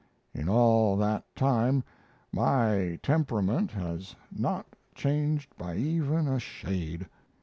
In all that time my temperament has not changed by even a shade.